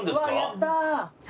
やったー！